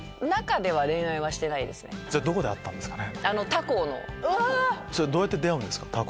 じゃあどこで会ったんですかね？